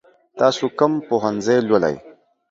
تاسو کوم پوهنځی لولئ؟